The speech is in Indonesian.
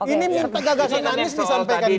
ini minta gagasan anies bisa diperkati di sini